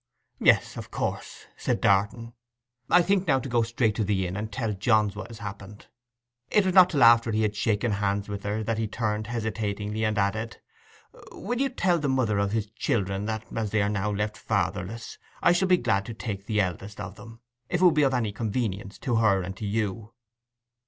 'Yes, of course,' said Darton. 'I think now to go straight to the inn and tell Johns what has happened.' It was not till after he had shaken hands with her that he turned hesitatingly and added, 'Will you tell the mother of his children that, as they are now left fatherless, I shall be glad to take the eldest of them, if it would be any convenience to her and to you?